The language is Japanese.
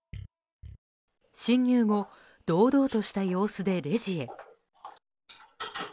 侵入後堂々とした様子でレジへ。